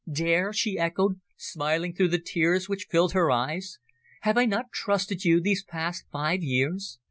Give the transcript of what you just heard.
"Dare!" she echoed, smiling through the tears which filled her eyes. "Have I not trusted you these past five years?